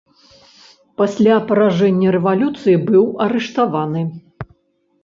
Пасля паражэння рэвалюцыі быў арыштаваны.